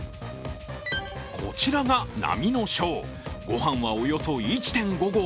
こちらが並の小、ご飯はおよそ１．５合。